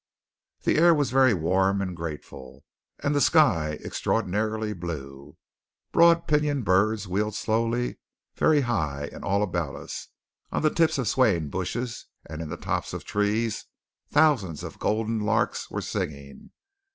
The air was very warm and grateful, and the sky extraordinarily blue. Broad pinioned birds wheeled slowly, very high; and all about us, on the tips of swaying bushes and in the tops of trees, thousands of golden larks were singing.